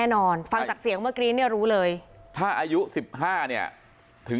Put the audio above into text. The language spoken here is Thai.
ส่วนสองตายายขี่จักรยานยนต์อีกคันหนึ่งก็เจ็บถูกนำตัวส่งโรงพยาบาลสรรค์กำแพง